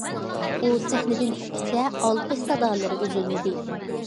ئۇ سەھنىدىن چۈشكىچە ئالقىش سادالىرى ئۈزۈلمىدى.